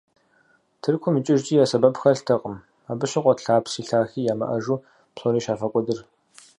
Тыркум икӀыжкӀи я сэбэп хэлътэкъым, абы щыгъуэт лъапси лъахи ямыӀэжу псори щафӀэкӀуэдыр.